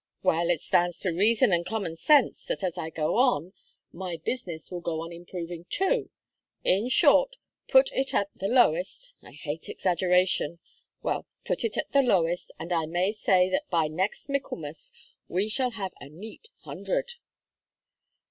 Well, it stands to reason and common sense, that as I go on, my business will go on improving too; in short, put it at the lowest I hate exaggeration well put it at the lowest, and I may say that by next Michaelmas, we shall have a neat hundred."